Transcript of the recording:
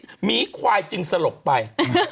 หมีควายจึงสลบไป